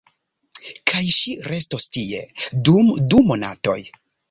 Kaj ŝi restos tie, dum du monatoj.